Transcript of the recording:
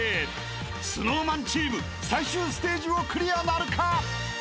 ［ＳｎｏｗＭａｎチーム最終ステージをクリアなるか！？］